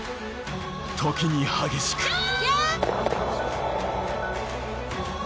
時に激しく。